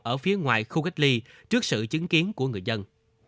ở phía ngoài khu cách ly trước sự chứng kiến của người dân